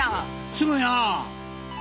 すごいなあ。